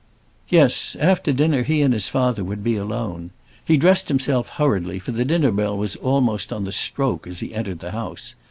Yes; after dinner he and his father would be alone. He dressed himself hurriedly, for the dinner bell was almost on the stroke as he entered the house.